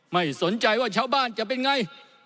ไม่สนใจว่าชาวบ้านจะเป็นไง